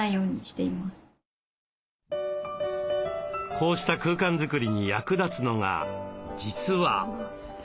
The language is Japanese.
こうした空間作りに役立つのが実は。